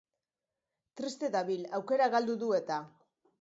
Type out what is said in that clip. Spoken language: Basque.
Triste dabil, aukera galdu du eta.